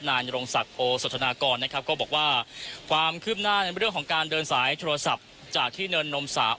นายนรงศักดิ์โอสธนากรนะครับก็บอกว่าความคืบหน้าในเรื่องของการเดินสายโทรศัพท์จากที่เนินนมสาว